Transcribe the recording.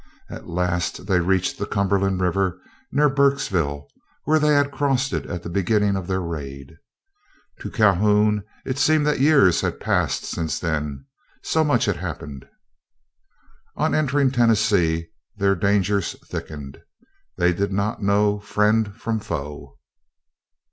At last they reached the Cumberland River near Burkesville, where they had crossed it at the beginning of their raid. To Calhoun it seemed that years had passed since then, so much had happened. On entering Tennessee, their dangers thickened. They did not know friend from foe.